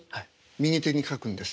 右手に書くんです。